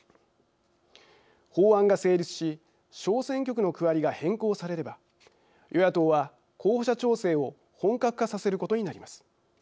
法案が成立し小選挙区の区割りが変更されれば与野党は候補者調整を本格化させることになります。